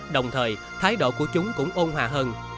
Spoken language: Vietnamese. đồng thời thái độ của chúng cũng ôn hòa hơn